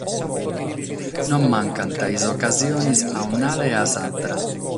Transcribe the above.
Non mancant sas ocasiones a un'ala e a s'àtera.